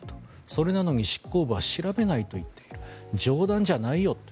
それなのに執行部は調べないと言っている冗談じゃないよと。